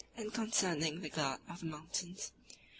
33, 34, 36; and concerning the guard of the mountains, l.